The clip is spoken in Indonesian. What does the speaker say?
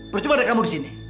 percuma ada kamu di sini